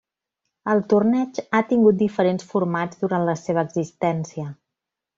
El torneig ha tingut diferents formats durant la seva existència.